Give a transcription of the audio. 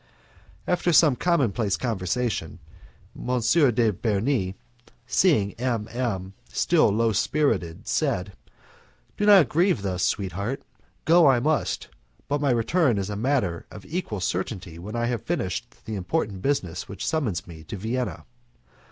After some commonplace conversation, M. de Bernis, seeing M M still low spirited, said, "Do not grieve thus, sweetheart, go I must, but my return is a matter of equal certainty when I have finished the important business which summons me to Vienna.